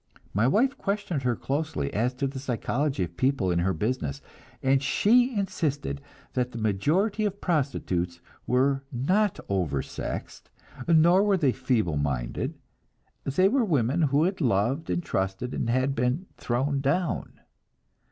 My wife questioned her closely as to the psychology of people in her business, and she insisted that the majority of prostitutes were not oversexed, nor were they feeble minded; they were women who had loved and trusted, and had been "thrown down."